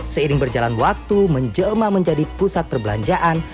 seiring berjalan waktu menjelma menjadi pusat perbelanjaan